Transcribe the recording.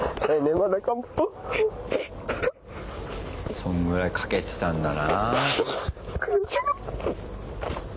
そんぐらいかけてたんだな。